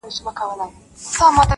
• له دې سببه تاریکه ستایمه..